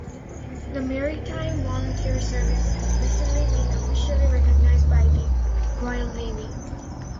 The Maritime Volunteer Service has recently been officially recognised by the Royal Navy.